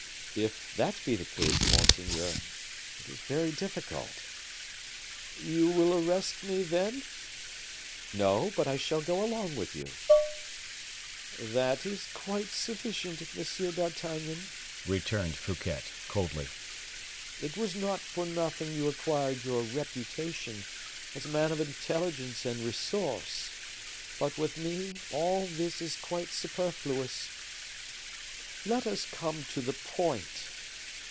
"If that be the case, monseigneur, it is very difficult." "You will arrest me, then?" "No, but I shall go along with you." "That is quite sufficient, Monsieur d'Artagnan," returned Fouquet, coldly. "It was not for nothing you acquired your reputation as a man of intelligence and resource; but with me all this is quite superfluous. Let us come to the point.